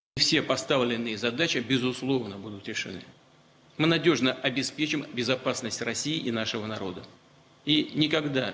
dan tidak akan dipercaya untuk ukraina menjadi pelaksanaan terhadap negara kita